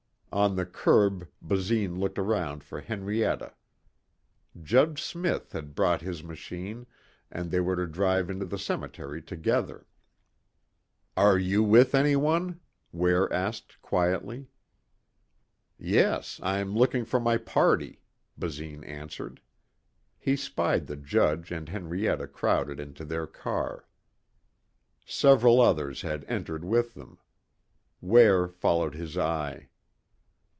On the curb Basine looked around for Henrietta. Judge Smith had brought his machine and they were to drive to the cemetery together. "Are you with anyone?" Ware asked quietly. "Yes, I'm looking for my party," Basine answered. He spied the judge and Henrietta crowded into their car. Several others had entered with them. Ware followed his eye.